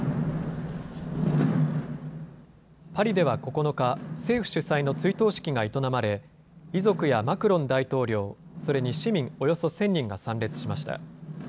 パリでは９日、政府主催の追悼式が営まれ遺族やマクロン大統領、それに市民およそ１０００人が参列しました。